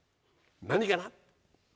何かな？